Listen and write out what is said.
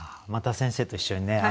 また先生と一緒にね